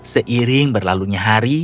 seiring berlalunya hari